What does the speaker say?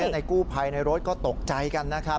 ในกู้ภัยในรถก็ตกใจกันนะครับ